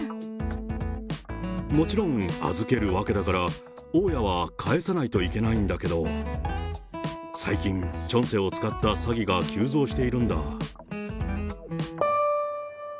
もちろん預けるわけだから、大家は返さないといけないんだけど、最近、チョンセを使った詐欺が急増してるんだ。